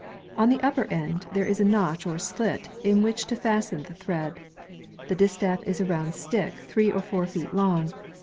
On the upper end, there is a notch or slit in which to fasten the thread. The distaff is a round stick, three or four feet long.